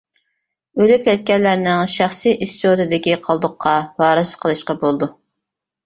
ئۆلۈپ كەتكەنلەرنىڭ شەخسىي ئىسچوتىدىكى قالدۇققا ۋارىسلىق قىلىشقا بولىدۇ.